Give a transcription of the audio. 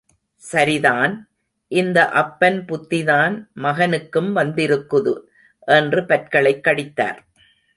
சரிதான்... இந்த அப்பன் புத்திதான் மகனுக்கும் வந்திருக்குது!... என்று பற்களைக் கடித்தார்.